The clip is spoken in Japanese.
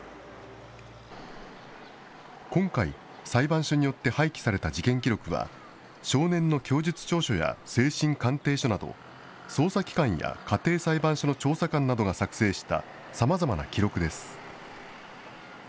今回、裁判所によって廃棄された事件記録は、少年の供述調書や精神鑑定書など、捜査機関や家庭裁判所の調査官などが作成した様々な記録です。